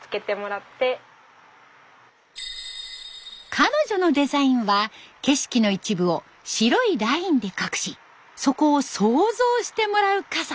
彼女のデザインは景色の一部を白いラインで隠しそこを想像してもらう傘。